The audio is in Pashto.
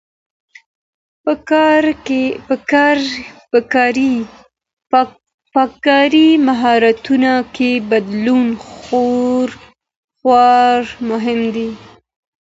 په کاري مهارتونو کي بدلون خورا مهم دی.